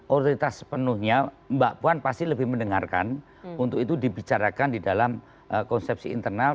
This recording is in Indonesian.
otoritas sepenuhnya mbak puan pasti lebih mendengarkan untuk itu dibicarakan di dalam konsepsi internal